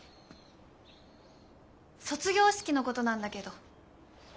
卒業式のことなんだけど。